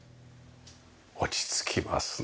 落ち着きますね